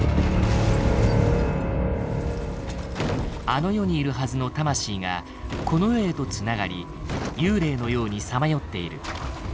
あの世にいるはずの魂がこの世へと繋がり幽霊のようにさまよっている。